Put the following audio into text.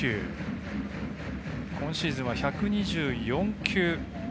今シーズンは１２４球。